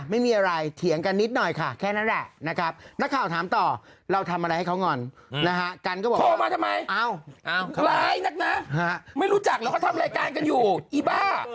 ไม่รู้จักแล้วเขาทำรายการกันอยู่อีบ้าเปิดเปิดครับครับ